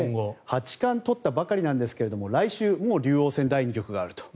八冠を取ったばかりなんですが来週もう竜王戦第２局があると。